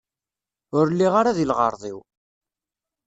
Ur lliɣ ara deg lɣerḍ-iw!